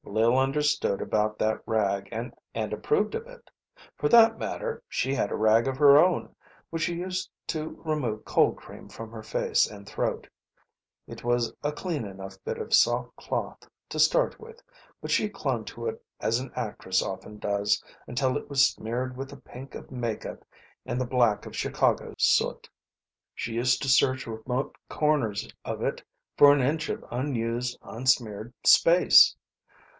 Lil understood about that rag, and approved of it. For that matter, she had a rag of her own which she used to remove cold cream from her face and throat. It was a clean enough bit of soft cloth to start with, but she clung to it as an actress often does, until it was smeared with the pink of makeup and the black of Chicago soot. She used to search remote corners of it for an inch of unused, unsmeared space.